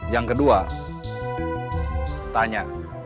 yang kedua tanya